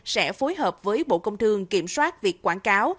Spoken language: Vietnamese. sẽ phối hợp với bộ công thương kiểm soát việc quảng cáo